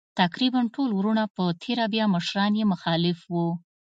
تقریباً ټول وروڼه په تېره بیا مشران یې مخالف وو.